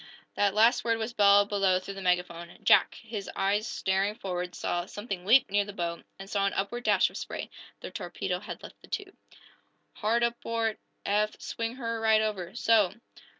That last word was bellowed below through the megaphone. Jack, his eyes staring forward, saw something leap near the bow, and saw an upward dash of spray. The torpedo had left the tube. "Hard aport, Eph! Swing her right over. So!"